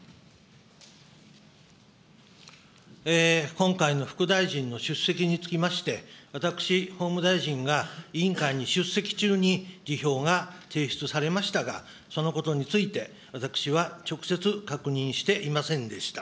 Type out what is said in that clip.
今回の副大臣の出席につきまして、私、法務大臣が委員会に出席中に辞表が提出されましたが、そのことについて、私は直接確認していませんでした。